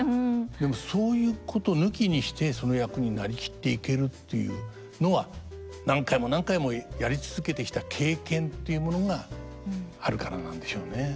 でもそういうこと抜きにしてその役になりきっていけるというのは何回も何回もやり続けてきた経験というものがあるからなんでしょうね。